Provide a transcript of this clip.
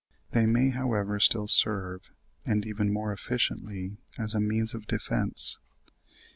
They may, however, still serve, and even more effectively, as a means of defence.